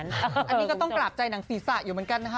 อันนี้ก็ต้องปราบใจหนังศีรษะอยู่เหมือนกันนะคะ